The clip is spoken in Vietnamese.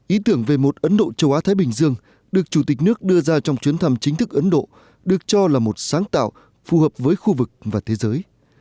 ý tưởng về một ấn độ châu á thái bình dương được chủ tịch nước đưa ra trong chuyến thăm chính thức ấn độ được cho là một sáng tạo phù hợp với khu vực và thế giới